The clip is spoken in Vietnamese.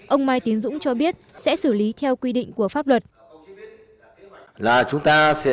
ông mai tiến dũng cho biết sẽ xử lý theo quy định của pháp luật